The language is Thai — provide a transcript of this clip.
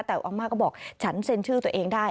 แต่อาม่าก็บอกฉันเซ็นชื่อตัวเองได้